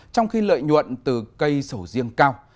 trong khi lợi nhuận từ cây sầu riêng cao